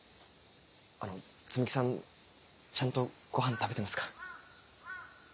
あの摘木さんちゃんとごはん食べてますか？